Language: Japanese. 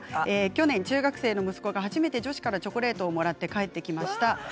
去年中学生の息子が初めて女子からチョコレートをもらって帰ってきました。